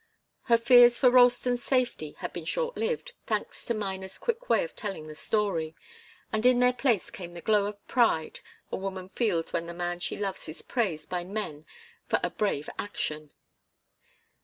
Her fears for Ralston's safety had been short lived, thanks to Miner's quick way of telling the story, and in their place came the glow of pride a woman feels when the man she loves is praised by men for a brave action.